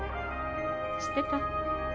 知ってた？